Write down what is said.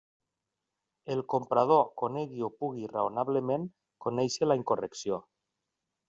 El comprador conegui o pugui raonablement conèixer la incorrecció.